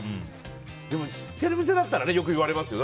でも知ってる店だったらよく言われますよね。